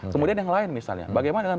kemudian yang lain misalnya bagaimana dengan